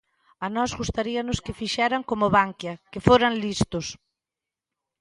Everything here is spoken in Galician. A nós gustaríanos que fixeran como Bankia, que foran listos.